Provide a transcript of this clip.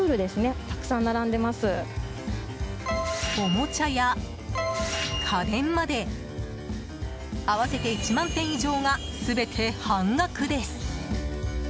おもちゃや家電まで合わせて１万点以上が全て半額です。